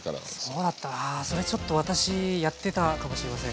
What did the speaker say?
そうだったあそれちょっと私やってたかもしれません。